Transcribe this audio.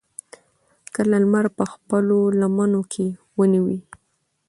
کله نمر پۀ خپلو لمنو کښې ونيوي